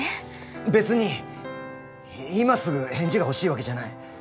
別に今すぐ返事が欲しいわけじゃない。